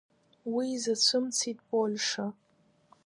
Уи изацәымцеит Польша.